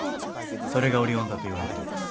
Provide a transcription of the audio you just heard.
それがオリオン座といわれてるんです。